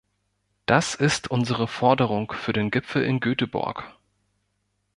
Das ist unsere Forderung für den Gipfel in Göteborg.